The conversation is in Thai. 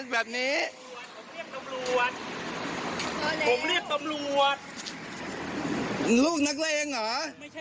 ผมเรียกตำรวจ